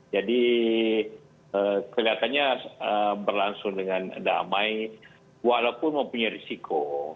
jadi kelihatannya berlangsung dengan damai walaupun mempunyai risiko